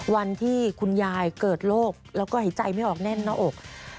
วันที่คุณยายเกิดโรคแล้วก็หายใจไม่ออกแน่นหน้าอก